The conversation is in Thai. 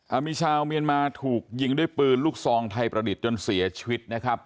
เอามีชาวเมียนมาถูกยิงด้วยปืนลูกซองไทยประดิษฐ์จนเสียชีวิตนะครับ